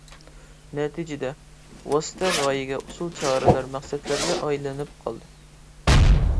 نەتىجىدە ۋاسىتە غايىگە، ئۇسۇل-چارىلەر مەقسەتلەرگە ئايلىنىپ قالدى.